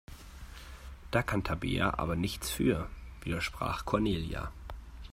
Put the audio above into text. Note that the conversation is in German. Da kann Tabea aber nichts für, widersprach Cornelia.